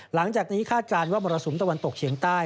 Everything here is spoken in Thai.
หลังจากนี้คาดการณ์ว่ามรสุมตะวันตกเฉียงใต้